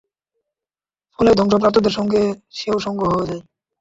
ফলে ধ্বংসপ্রাপ্তদের সঙ্গে সেও ধ্বংস হয়ে যায়।